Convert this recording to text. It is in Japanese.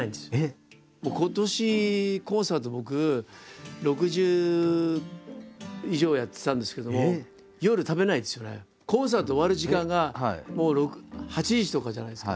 今年コンサート僕６０以上やってたんですけどもコンサート終わる時間がもう８時とかじゃないですか。